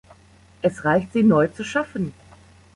Es reicht, sie neu zu schaffen.